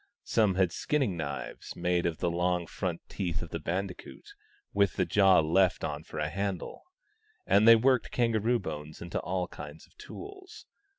Some had skinning knives made of the long front teeth of the bandicoot, with the jaw left on for a handle ; and they worked kangaroo bones into all kinds of tools.